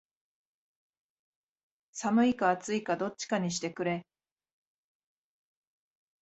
寒いか暑いかどっちかにしてくれ